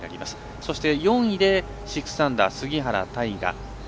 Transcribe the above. そして、４位で６アンダー、杉原大河。